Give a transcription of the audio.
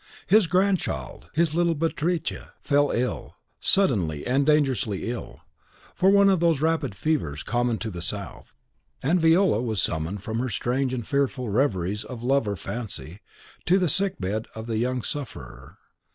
His grandchild, his little Beatrice, fell ill, suddenly and dangerously ill, of one of those rapid fevers common to the South; and Viola was summoned from her strange and fearful reveries of love or fancy, to the sick bed of the young sufferer.